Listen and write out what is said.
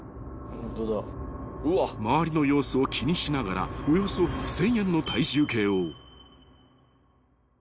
［周りの様子を気にしながらおよそ１，０００円の体重計を］